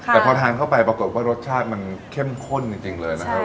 แต่พอทานเข้าไปปรากฏว่ารสชาติมันเข้มข้นจริงเลยนะครับ